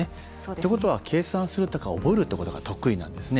ということは計算するとか覚えるということが得意なんですね。